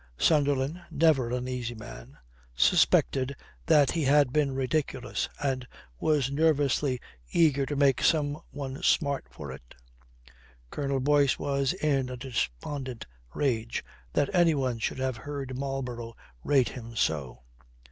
Sunderland, never an easy man, suspected that he had been ridiculous and was nervously eager to make some one smart for it. Colonel Boyce was in a despondent rage that any one should have heard Marlborough rate him so.